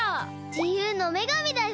自由の女神だよ！